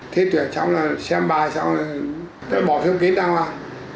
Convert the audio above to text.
thi tuyển xong rồi xem bài xong rồi bỏ phiếu ký ra ngoài